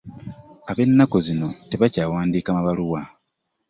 Ab'ennaku zino tebakyawandiika mabaluwa.